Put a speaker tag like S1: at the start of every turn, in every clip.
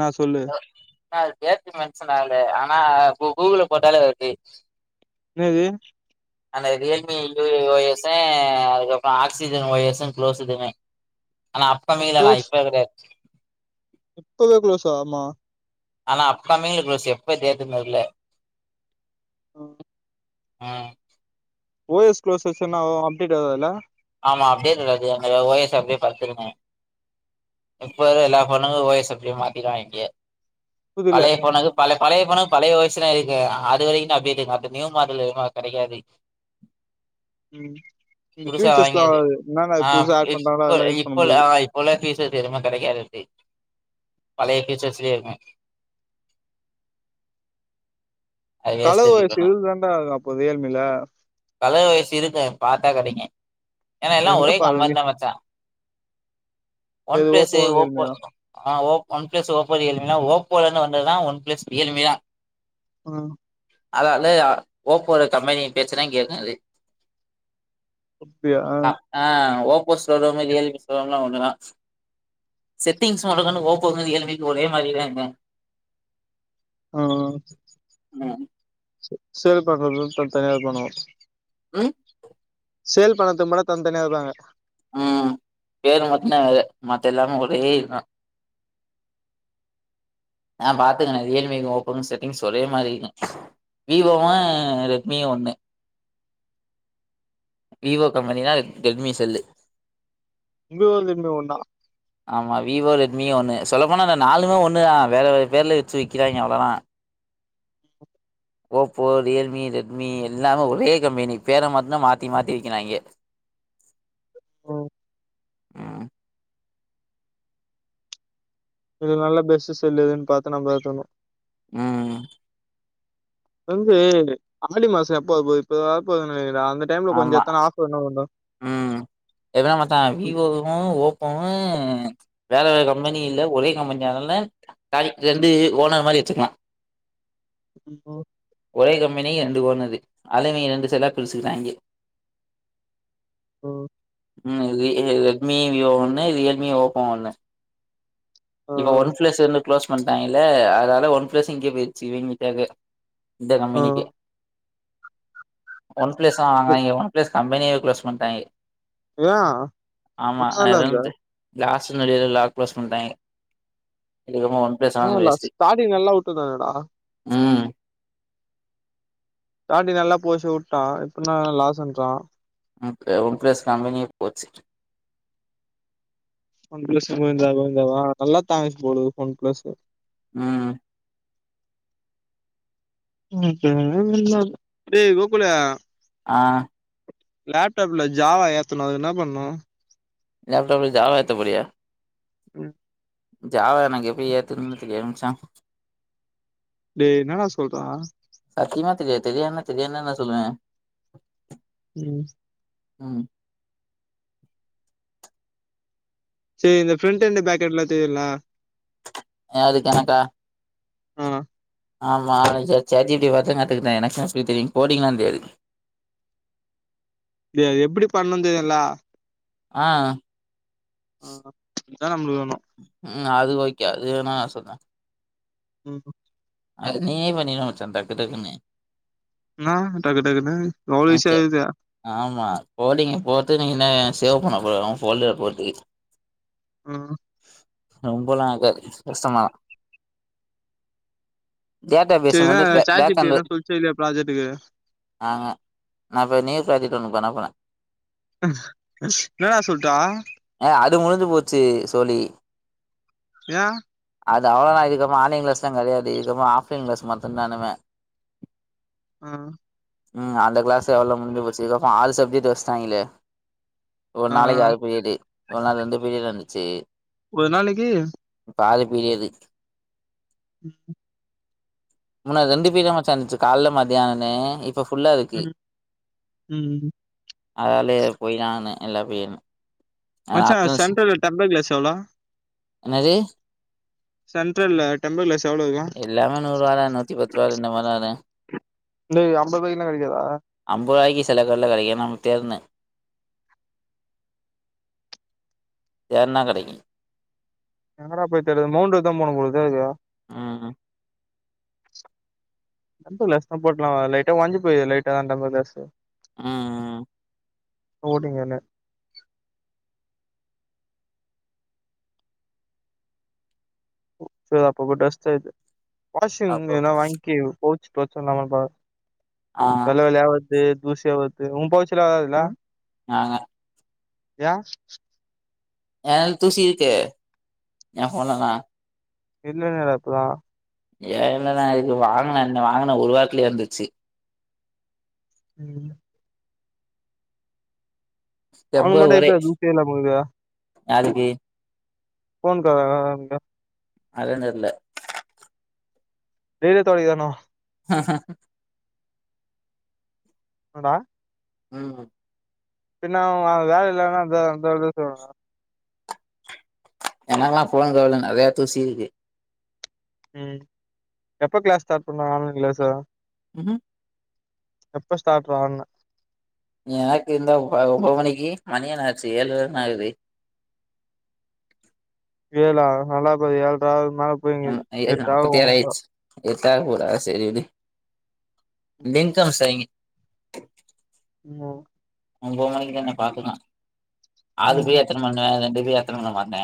S1: நா சொல்லு
S2: அது டேட் மென்ஷன் ஆகல ஆனா கூகுள போட்டாலே இருக்கு
S1: என்னது
S2: அந்த ரியல்மி ஓஎஸும் அதுக்கப்றம் ஆக்சிஜன் ஓயஸ் குளோஸ்துமே அன அப் கமிங்கல தா
S1: க்ளோஸ்
S2: இப்ப கடையாது
S1: [unintelligible] ஆமா
S2: ஆனா அப்கமிங்ல குளோஸ் எப்ப டெட்டுன்னு தெர்ல
S1: ஓகே
S2: ஆ
S1: ஓயஸ் குளஸ்னும் அப்டேட் வரல
S2: ஆமா அப்டேட் வராது ஓஎஸ் அப்டியே படுத்துருமே இப்ப எல்லா போனுக்கும் ஓ ஸ் க்கு மாத்திட்டாங்க
S1: புதுல
S2: பழய போனுக்கு பழ பழைய போன் பழைய ஒ எஸ் இருக்கு அது வரைக்கும் தா அப்டேட் இருக்கு அந்த நியூ மாடல் கடைக்காது
S1: ம் இந்த
S2: புதுசா வாங்கியது
S1: பியூச்சர்ஸ்லாம்து என்ன
S2: ஆ
S1: புதுச ஆக்் பண்ணறாாலும்
S2: இப்ப
S1: அதெல்லாம் யூஸ் பண்ண
S2: இப்ப ஆ
S1: முடியாது
S2: இப்ப உள்ள ஃபீச்சர்ஸ் எதுமே கிடைக்காதுக்கு அப்டி பழைய ஃபீச்சர்ஸ்லயே இருக்கூ அது வேஸ்ட்
S1: கலவு
S2: ரிவ்யூ
S1: வயசு
S2: பண்ண
S1: இது தாண்டா ஆகும் அப்போ இ எம் ஐயில
S2: கலர் வயசு இருக்கூ பாத்தா கடைக்கூ ஏனா எல்லா
S1: எங்க
S2: ஒரே
S1: பாக்குறீங்க
S2: கம்பந் தான் மச்சா ஒன்
S1: எது
S2: ஃபேஸ் ஓப்போ
S1: ரியல்மியா
S2: ஆ ஓ ஒன் ஃபேஸ் ஓப்போ ரியல்மனா ஓப்போலந்து வந்ததுதான் ஒன் ஃபேஸ் ரியல்மிதான்
S1: ஆ
S2: அதா வந்து ஓப்போல கம்பெனி பேச்சுனா கேக்காது
S1: அப்டி ஆ
S2: ஆ ஓப்போ ஸ்டோரோம் ரியல்பி ஸ்டோரோம்லா ஒண்ணு தா செட்டிங்ஸ் மட்டுதான ஓபோ இந்தமாரி ஏளிள்மைக்கு ஒரே மாதிரறாங்க
S1: ம்
S2: ம்
S1: செ செரி பா [unintelligible] தனியாக பண்ணுவம்
S2: உம்
S1: சேல் பணத்து முட தனி தனியா இருகாங்க
S2: உம் பேரு மத்தனா வேர மத்த எல்லாமே ஒரே இதுதா ஆ பாத்துக்கோன ரியல்பி ஓப்போகூ செட்டிங்ஸ் ஒரே மாரி இருக்கூ விவோவும் ரெட்மியும் ஒண்ணு விவோ கம்பெனினா அது டெம்மி செல்லு
S1: உங்க [unintelligible] ஒன்னா
S2: ஆமா விவோ ரெட்மியும் ஒண்ணு சொல்லப்போனா அந்த நாலுமே ஒண்ணு தான் வேற வேற பேர்ல வச்சு விக்கிறாங்க அவ்ளோதா ஓப்போ ரியல்மி ரெட்மி எல்லாமே ஒரே கம்பெனி பேர மட்டுதா மாத்தி மாத்தி வெகிராயிங்க
S1: ம்
S2: ம்.
S1: இது நல்ல பெஸ்ட் செல்லுதுன்னு பாத்து நம்ப எத்தனு
S2: உம்
S1: வந்து ஆடி மாசோ எப்ப இப்ப அந்த டைம்ல கொஞ்சோ
S2: ஆமா
S1: எத்தனா ஆஃபர் என்ன பண்றா
S2: ம் எதுன மச்சா விவோ போவு ஓப்போவு வேற வேற கம்பெனி இல்ல ஒரே கம்பெனி தா ஆனால காரி ரெண்டு ஓனர் மாரி வச்சுக்கலா
S1: ஆ
S2: ஒரே கம்பெனி ரெண்டு ஓனரு அதுவே ரெண்டு சைடா பிரிச்சிகிராங்க
S1: ஓ
S2: ம் ரெட்மி விவோ ஒண்ணு ரியல்மி ஓப்போ ஒண்ணு இப்ப ஒன் ஃபிளஸ் என்ன க்ளோஸ் பண்ணிட்டாங்கல்ல அதனால ஒன் பிளஸ் இங்கே போயிருச்சு இவிங்காக இந்த
S1: ஆ
S2: கம்பெனிக்கு ஒன் ப்ளஸ் வாங்க நீங்க ஒன் ப்ளஸ் கம்பெனிய க்ளோஸ் பண்ட்டாங்க
S1: ஏன்
S2: ஆமா
S1: நல்லால இருந்த
S2: ஏதாந்து காஸ் ந லா ப்ளஸ் பண்ணிட்டாங்க [unintelligible]
S1: ஆ இல்ல ஸ்டாடிங் எல்லா உட்ரின்தாங்கலேடா
S2: ம்
S1: தாட்டி நல்லா போசி உட்டா இப்பனா லாஸ்ன்றா
S2: ஒன் ப்ளஸ் கம்பெனி போச்சு
S1: ஒன் ப்ளஸ் கோவிந்தா கோவிந்தாவா நல்லா தா போது ஒன் ப்ளஸ்
S2: உம்
S1: [unintelligible] ஏ கோகுல
S2: ஆ
S1: லேப்டப்ல ஜாவா ஏத்தணு அது என்ன பண்ணு
S2: லேப்டப்ல ஜாவா ஏத்த போரியா
S1: ம்
S2: ஜாவா எனக்கு எப்டி ஏத்தனு தெரியாது மச்சா
S1: டேய் என்னடா சொல்றா
S2: சத்தியமா தெரியாது தெரியாதுன்னா தெரியாதுன்தானா சொல்லுவ
S1: ம்
S2: ம்
S1: சேர் இந்த ஃப்ரெண்ட் எண்ட் பேக் எண்ட்லா தெரியுல
S2: யாதுக்கு எனக்கா
S1: ஆ
S2: ஆமா ஜாட் ஜீ பீ டி பாத்துதா கத்துக்குட்ட எனக்கு எப்டி தெரியு கோடிங்லா தெரியாது
S1: இது எப்டி பண்ணுந் தெரியுல
S2: ஆ
S1: ஆ இதா நம்பளுக்கு வேணு
S2: ம் அது ஓகே அது வேணா நா சொல்த
S1: ம்
S2: அது நீயே பண்ணிர்லா மச்சா டக்கு டக்குன்னு
S1: மா டக்கு டக்குன்னு எவ்ளோ
S2: ஆ சேட்
S1: ஈசியா இருக்குது
S2: ஆமா கோடிங்க போட்டு நீங்க என்னாங்க சேவ் பண்ண போடு ஃபோல்டுல போட்டு
S1: ம்
S2: ரொம்பலா ஆகாது இஸ் கஷ்டந்தா டேட்டா பேசு
S1: சரி என்ன
S2: வந்து பே
S1: chat G
S2: back
S1: P T
S2: end
S1: என்ன சொல்ச்சா இல்லையா ப்ராஜெக்டுக்கு
S2: ஆஹ நா இப்போ நியூ ஃப்ராஜெக்ட் ஒன்னு பண்ண போற
S1: என்னடா சொல்ட்டா
S2: அ அது முடிஞ்சு போச்சு சோழி
S1: யா
S2: அது அவ்ளோதா இதுக்கபோ ஆன்லைன் கிளாஸ்லா கடையாது இதுக்கப்புறோ ஆஃப்லைன் கிளாஸ் மட்டுந்தா இனிமமே
S1: ம்
S2: ம் அந்த கிளஸ் எவ்ளோ முஞ்சி போச்சு இதுக்கப்போ ஆள் சப்ஜெக்ட் வச்டாங்களே ஒரு
S1: ஆ
S2: நாளைக்கு யாரு பீரியடு ஒரு நாள் ரெண்டு பீரியடு இருந்துச்சு
S1: ஒரு நாளைக்கி
S2: பாதி புரியாது
S1: ம் ம்
S2: முன்ன ரெண்டு பீரியட் தா மாச்ச இருந்துச்சு கால்ல மதியானோனு இப்போ ஃபுல்லா இருக்கு
S1: ம் ம்
S2: அதாலே போய் தா ஆவுனு எல்லா பீரயடுமே
S1: மச்சா சென்டரல்ல டெம்பர் கிளாஸ் எவ்ளோ
S2: என்னது
S1: சென்டரல்ல டெம்பர் க்ளாஸ் எவ்ளோ இருக்கு
S2: எல்லாமே நூறுவாதா நூத்தி பத்து ரூவா இந்த மாரி தா இருக்கு
S1: இது அம்பதுரூபாய்க்லா கடைக்காதா
S2: அம்பதுரூவாய்க்கு சிலகட்ல கடைக்கு நம்ம தேட்னு தேர்னா கெடைக்கு
S1: எங்கடா போய் தேட்றது மௌன்ட் ரோடு தா போனு போலருக்கு [unintelligible]
S2: ம் ம்
S1: ரொம்ப லஸ்தா பட்றா லைட்டா ஒட்ஞ்சி போய்து லைட்டா அந்த மாரி லாஸ் ஸு
S2: ம் ம்
S1: ஓடிங்கனு ச அப்பப்ப டஸ்ட் ஆது வாஷிங்
S2: அப்போ
S1: எனா வாங்கி போ ஸ்டோச்சின் ந பா
S2: ஆ
S1: வெள்ள வெள்ள ஆவது தூசி ஆவது உன் பவுச்சுல ஆவாதுல்ல
S2: ஆஹா
S1: ஏ
S2: எனக் தூசி இருக்கு என் ஃபோன்லதா
S1: இல்லங்கிற அப்பனா
S2: ஏ இல்லன்னா இது வாங்குன அன்ன வாங்குனது ஒருவாரத்துலயே வந்துர்ச்சு
S1: ம் அவனுக்கு
S2: டெம்பர்
S1: மட்டு
S2: வரி
S1: எப்டிடா தூசியே இல்லாம இருக்குதா
S2: நாளைக்கு
S1: ஃபோன் கவரா அதலா விடு
S2: அதா தெரில
S1: வெளிய தொடைக்கணு
S2: ஹஹ
S1: அடா
S2: ம்
S1: பின்ன அவ வேல இல்லன்னா அப்டிதா அந்த இது சொல்லுவாங்க
S2: எனக்குலா ஃபோனு கவர்ல நெறயா தூசி இருக்கு
S1: ம் எப்ப கிளாஸ் ஸ்டார்ட் பண்ணுவாங்க ஆன்லைன் கிளாஸு
S2: ம்
S1: எப்ப ஸ்டார்ட்றான்ன
S2: நீ எனக்கு இருந்தா ஒன்ம்பது மணிக்கு மணி என்ன ஆச்சு ஏழு தான ஆகுது
S1: ஏழா நல்லாபாரு ஏழ்ற ஆவுது மேல போயிங்குது
S2: ம் ஏழு
S1: எட்டாகு
S2: நாப்பது ஏழு
S1: மொத்தோ
S2: ஆச்சு எட்டாக போதா விடு சரி பின்கம் செய்ங்க
S1: மு
S2: ஒன்பது மணிக்கு தான பாத்துக்கலா
S1: ம்
S2: அதுக்குள்ள எத்தன மணி நேர செண்டு [inaudible] எத்துன்னு வருவா உங்க அண்ண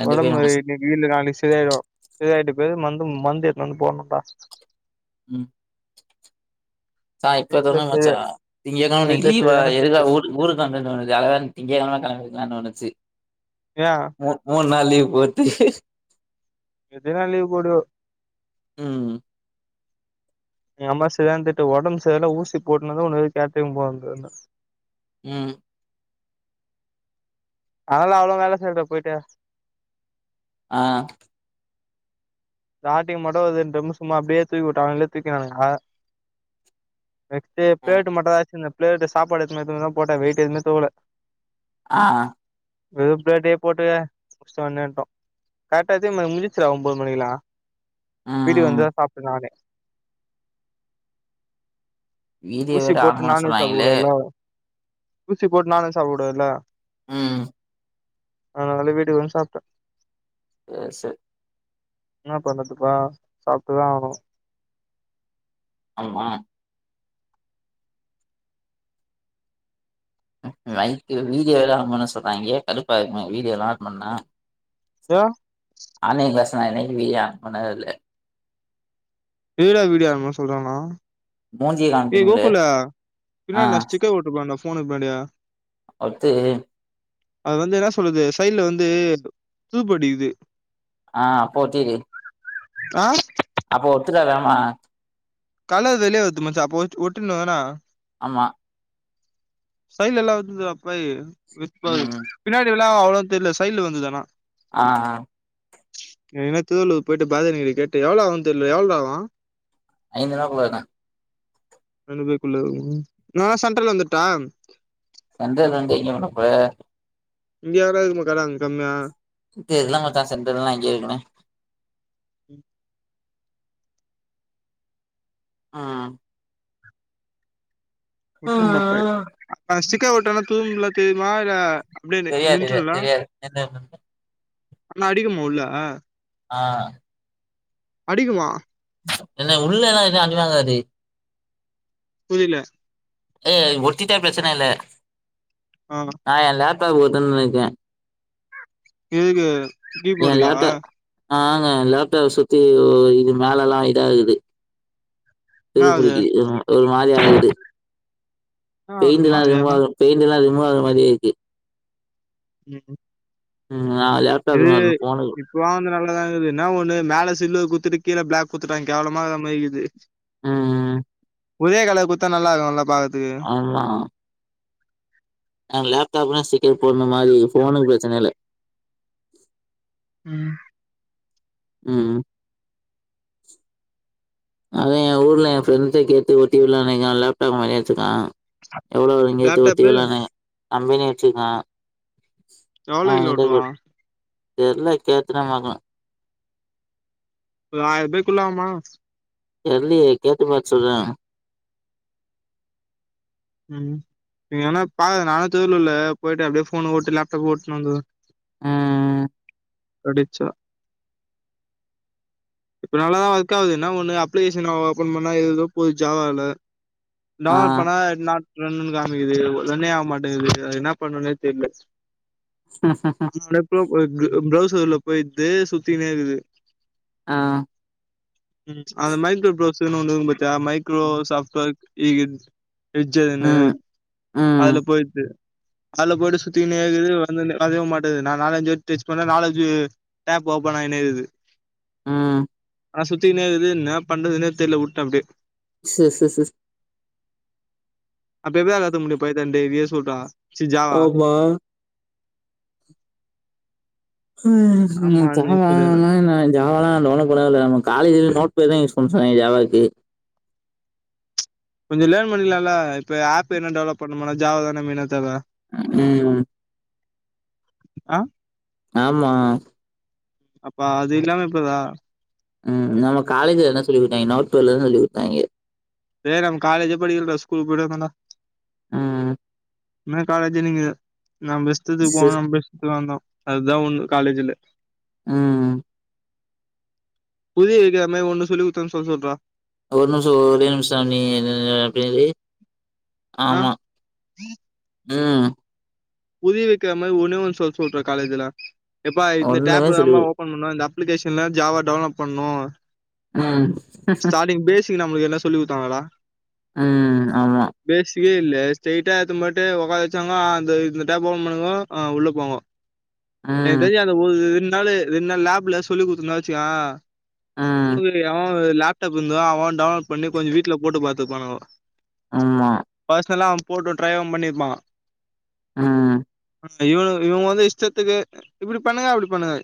S2: ரெண்டு பேர்
S1: உடம்பு
S2: முடிச்சு
S1: இன்னைக்கு இல்ல நாளைக்கு சரியாய்டு சரியாயிட்ட பெறகு மந்து மந்து எத்துன்னு வந்து போணும்ப்பா
S2: ம் ச்சா இப்ப
S1: வீட்ல
S2: தொறந்த
S1: செரி
S2: மச்சா திங்ககிழம அன்னைக்
S1: வீட்ல
S2: லீவா
S1: சரியான திட்டு
S2: எதுக்காக ஊருக் ஊருக் கெளம்புறன்டா உனக்கு யாராவன் திங்ககிழமதா கெளம்புவீங்கனா நெனச்சு
S1: ஏ
S2: மு மூண் நாள் லீவ் போட்டு
S1: எதுனா லீவ் பொடு
S2: ம்
S1: எங்க அம்மா செரியான திட்டு உடம்பு செரில ஊசி போட்டுனுதா உனக்கு கேட்ரிங் போறது னு
S2: ம்
S1: அவளாலதா வேல செய்ற போய்ட்டு
S2: ஆ
S1: ராட்டி மட்டு வச்சுன் டிரம்மு சும்மா அப்டியே தூக்கி விட்டா அவனுங்களே தூக்கினானுங்க நெட்டு ப்ளேட்டு மட்டுந்தா வச்சுருந்த ப்ளேட்டு சாப்பாடு எத்துன்னு வரதுக்குதா போட்ட வெய்ட் எதுமே தூக்கல
S2: ஆ
S1: வெ பிளடே போட்டுஷ்டம் வந்துட்டோம் கரெக்டாத்தி முடிச்சிரா ஒன்ம்பது மணிக்கல்லா வீட்டுக்கு
S2: ம்
S1: வந்து தா சாப்பிட்டு நானே
S2: வீடியோ
S1: ஊசி
S2: வேற ஆன்
S1: போட்டு
S2: பண்ண
S1: நானும்
S2: சொன்னாங்களே
S1: சாப்பிடல ஊசி போட்டு நானும் சாப்பிடல
S2: ம்
S1: அதனால வீட்டுக்கு வ சாப்பிட்டேன்
S2: ஆ ச
S1: என்ன பண்ணறதுப்பா சாப்பிட்டுதா ஆகனும்
S2: ஆமா வைக்கு வீடியோ எல்லாம் ஆகும்னு சொல்றாங்கயே கடுப்பாங்க வீடியோ எல்லா ஆட் பண்ணிட்டா
S1: ஏ
S2: ஆன்லைன் கிளாஸ் நான் என்னைக்கு [unintelligible]
S1: வடா வீடியா சொல்றாங்களா
S2: மூஞ்சிய
S1: ஏய்
S2: காமிக்கணும்ல
S1: கோகுல
S2: ஆ
S1: பின்ன நஷ்டிக்கட்ட இருப்பண்டா ஃபோன் இருப்பண்டா
S2: அது
S1: அது வந்து என்ன சொல்றது சைட்ல வந்து தூப்படிக்குது
S2: ஆ போட்டி
S1: ஆ
S2: அப்போ ஒத்துக்க வேணாமா
S1: கல வெளியே வருது மச்சா அப்போ ஒட்டும்ன்னா
S2: ஆமா
S1: சைல் எல்லாம் வது அப்ப இப்ப
S2: ம்
S1: பின்னாடி எல்லா அவளோ தெரியல சைட்ல வந்து ஆனா
S2: அ அ
S1: என்ன தூ போயிட்டு பாதி நீங்க கேட்டு எவ்ளோ ஆகும் தெரியல எவ்ளோ ஆகும்
S2: [unintelligible]
S1: நான் சென்ட்ரல வந்துட்டன்
S2: சென்ட்ரல வந்து இங்க என்ன பண்ணபோற
S1: இங்க [unintelligible] கம்மியா
S2: இது இதெல்லா மச்சான் சென்ட்ரல் தான் இருக்கேன் ஆ
S1: உட்டுனு நப்பன் ஆ சிக்கட்டனா தூபல தெரியுமா இல்ல அப்டியே
S2: தெரியாது தெரியா
S1: நின்றுலாம்
S2: தெரியாது
S1: ஆனா அடிக்குமா உள்ள
S2: ஆ
S1: அடிக்குமா
S2: என்ன உள்ளல்லாம் அடிவாங்காது
S1: புரியல
S2: ஏ ஒத்திட்டா பிரச்சன இல்ல
S1: ஆ
S2: ஆ எல்லாத்தா போதுன்னுக்கேன்
S1: இதுக்கு
S2: என் லேப்டாப் ஆங்க லேப்டாப் சுத்தி இது மேல எல்லா இதா இருக்கு
S1: என்னா ஆவுது
S2: துருபிடிக்குது ஒரு மாதி ஆகுது
S1: என்னா ஆவுது
S2: பெயிண்ட்லாம் ரொம்ப
S1: மாரியானா
S2: பெயண்ட்லாம் ரிமுவ் ஆ மாதிரி இருக்கு
S1: ம்
S2: ம் ஆ
S1: இது இத் வாங்கு நல்லாதாகுது இன்னா ஒண்ணு மேல சில்வர் குத்துட்டு கீழே ப்ளாக் குத்துட்டாங் கேவ்லமாகுற மேரிகுது
S2: ம் ம்
S1: உதிய கலர் குத்தா நல்லார்க்கோல்ல பாக்கர்த்துக்கு
S2: அம்மா நாங்க லேப்டாப்லா ஸ்டிக்கரு போன மாதிரி ஃபோனுக் ப்ரச்சன இல்ல
S1: ம்
S2: ம் ம் அத என் ஊர்ல என் ஃப்ரண்ட்ஸ கேட்டு ஒட்டி உட்லாமே எ லேப்டாப் மாரி எட்த்துட்டான் எவ்வளவு இங்கத்து ஒரு
S1: லேப்டாப்பு
S2: தேவ்லானே கம்பெனி வெச்சிருக்கா
S1: எவ்ளோ
S2: அவன்
S1: கிலோ
S2: கிட்ட
S1: ஓட்டுவா
S2: குட தெர்ல கேட்டுதா பாக்ணோ
S1: ஒரு ஆயர்பாய்க்குல்ல ஆவுமா
S2: தெர்லியே கேட்டு பாத் சொல்ற
S1: ம் நீவேனா பாரு நானு திருவளூர்ல போய்ட்டு அப்டே ஃபோனு ஒட்டு லேப்டாப் ஒட்னு வந்துர்ற
S2: ம் ம்
S1: படிச்சா இப்ப நல்லாதா ஒர்க் ஆவுது என்ன ஒண்ணு அப்ளிகேஷன ஓபன் பண்ணா எதேதோ போது ஜாவால
S2: ஆ.
S1: டவ்ண்லோட் பண்ணா நாட் ரன்னுன் காமிக்குது ரன்னே ஆவ் மாட்டேங்குது என்ன பண்ணுன்னே தெர்ல [unintelligible] ப்ரௌசர்ல போய்ட்டு சுத்தினேருகுது
S2: ஆ
S1: ம் அந்த மைக்ரோ ப்ரௌஸர் ஒன்னு இருக்கோ பாத்திய மைக்ரோ சாப்ட்வர் இ எஜ்ஜெருன்னு
S2: ம். ம்.
S1: அத்ல போய்ட்டு அத்ல போய்ட்டு சுத்திகினேகிது வந்துனே வர்வே மாட்டேது நா நாலஞ்சி டெச் பண்ண நாலஞ்சு டேப் ஓப்பன் ஆய்னேகுது
S2: ம்
S1: ஆ சுத்திநேக்குது இன்னா பண்றதுனே தெர்ல உட்ட அப்டே
S2: சேர் சேர் சிஸ்
S1: அப்ப எப்டிதா ஏத்த முடியு பய் தண்டேவிய சொல்றா சி ஜாவா
S2: ஆம்மா நா
S1: ஆமா நீ
S2: ஜாவா [unintelligible]
S1: சொல்லிரு
S2: ஜாவாலா நா டவ்ண்லோட் பண்ணவேல நம்ம காலேஜ்ல நோட் பேட் தாயூஸ் பண்வ ஜாவாக்கு
S1: கொஞ்சோ லேர்ன் பண்ணிக்லால்ல இப்ப ஆப் எத்னா டெவ்லப் பண்ணம்னா ஜாவா தானே மெய்னாத் தேவ
S2: ம்
S1: அ
S2: ஆமா
S1: அப்ப அது இல்லாம எப்புர்றா
S2: ம் நம்ம காலேஜ்ல என்ன சொல்லி குத்தாய்ங்க நோட் பேட்லதா சொல்லி குத்தாய்ங்க
S1: டே நாம காலேஜ்ஜே படிக்லா டா ஸ்கூல் போய்ட்டு வந்தோ டா
S2: ம்
S1: இன்ன காலேஜ்ஜி நீங்க நம்ப இஷ்டத்துக்கு
S2: சு
S1: போனோ நம்ப இஷ் க்கு வந்தோ அதுதா உண்ம காலேஜ்ஜில
S2: ம்
S1: புரிய வெக்ற மாரி ஒண்ணு சொல்லி குத்தாங்னு சொல்ல சொல்றா
S2: ஒரு நிம்ஷோ ஒரே நிம்ஷோ நீ அப்டே இரு
S1: ஆ
S2: ஆமா ம்
S1: புதிய வைக்கிற மாரி ஒணே ஒன் சொல் சொல்றே காலேஜ்ல எப்பா இந்த
S2: ஒண்ணுமே
S1: டேப்
S2: சொல்லி
S1: தாப்பா ஒப ன் பண்ணனு இந்த அப்ளிகேஷன்ல ஜாவா டவுலோட் பண்ணனு
S2: ம்
S1: ஸ்டார்டிங் பேஸிக் நம்மளுக்கு என்ன சொல்லி கொடுத்தாங்களடா
S2: ம் ஆமா
S1: பேஸிக்கே இல்லே ஸ்ட்ரைட்டா ஏத்து போயிட்டு உட்க்கா வச்சாங்கோ அந்த இந்த டேப் ஓபன் பண்ணுங்கோ உள்ள போங்கோ என்
S2: ம்
S1: தெரிஞ்சி அந்த ஒரு ரெண்டு நாள் ரெண்டு நாள் லேப்ல சொல்லி குடுத்தன்னா
S2: ம்
S1: வச்சுக்கோயே [inaudible] அவன் லேப்டாப் இருந்தா அவன் டவுன்லோட் பண்ணி கொஞ்சோ வீட்ல போட்டு பாத்துக்குவானுக
S2: ஆமா
S1: பர்சனலா அவ போட்டு டிரரைவ பண்ணிருப்பா
S2: ஆ
S1: இவனு இவுங்க வந்து இஷ்டத்துக்கு இப்டி பண்ணுங்க அப்டி பண்ணுங்க